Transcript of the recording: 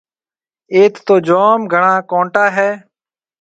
ايٿ تو جوم گھڻا ڪونٽا هيَ۔